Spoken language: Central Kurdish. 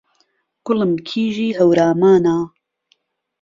گوڵم کیژی ههورامانا